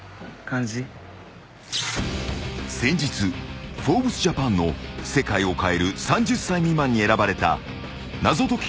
［先日『ＦｏｒｂｅｓＪＡＰＡＮ』の「世界を変える３０歳未満」に選ばれた謎解き